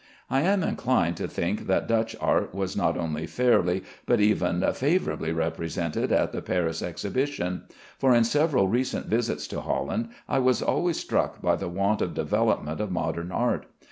I am inclined to think that Dutch art was not only fairly, but even favorably represented at the Paris Exhibition, for in several recent visits to Holland I was always struck by the want of development of modern art.